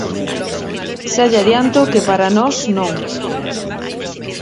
Xa lle adianto que para nós non.